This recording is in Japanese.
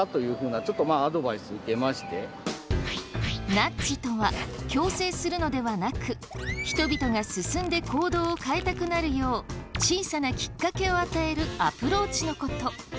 ナッジとは強制するのではなく人々が進んで行動を変えたくなるよう小さなきっかけを与えるアプローチのこと。